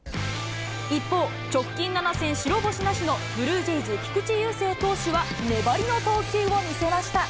一方、直近７戦白星なしのブルージェイズ、菊池雄星投手は粘りの投球を見せました。